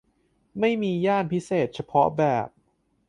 ไม่มีย่านพิเศษเฉพาะแบบ